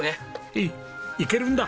うんいけるんだ！